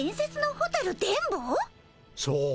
そう。